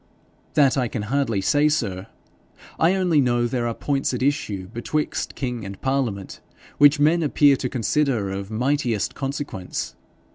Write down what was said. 'That I can hardly say, sir. I only know there are points at issue betwixt king and parliament which men appear to consider of mightiest consequence.